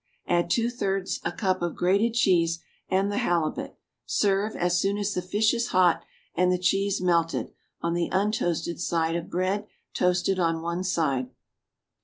Add two thirds a cup of grated cheese and the halibut. Serve, as soon as the fish is hot and the cheese melted, on the untoasted side of bread toasted on one side.